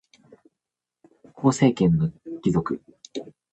行政権の帰属